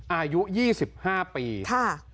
อายุ๒๕ปีค่ะ